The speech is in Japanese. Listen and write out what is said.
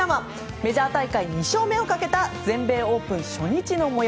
メジャー大会２勝目をかけた全米オープン初日の模様。